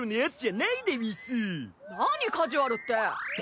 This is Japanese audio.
なにカジュアルって！